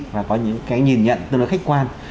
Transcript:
và có những cái nhìn nhận tương đối khách quan